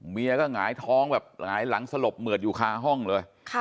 เมียก็หงายท้องแบบหงายหลังสลบเหมือดอยู่คาห้องเลย